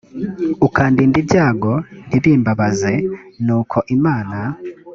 ukandinda ibyago ntibimbabaze nuko imana